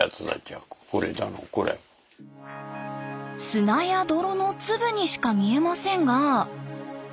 砂や泥の粒にしか見えませんが。